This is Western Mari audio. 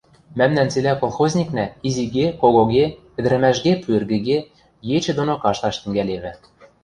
Мӓмнӓн цилӓ колхозникнӓ — изиге-когоге, ӹдӹрӓмӓшге-пӱэргӹге — ечӹ доно кашташ тӹнгӓлевӹ.